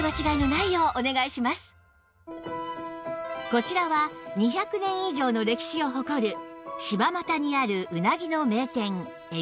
こちらは２００年以上の歴史を誇る柴又にあるうなぎの名店ゑびす家